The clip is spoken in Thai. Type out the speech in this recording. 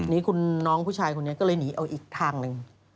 นี่คุณน้องผู้ชายคนนี้ก็เลยหนีเอาอีกทางหนึ่ง